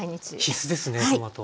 必須ですねトマト。